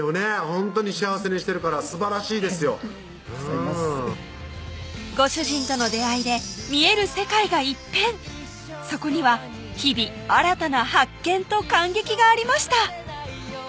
ほんとに幸せにしてるからすばらしいですよありがとうございますご主人との出会いで見える世界が一変そこには日々新たな発見と感激がありました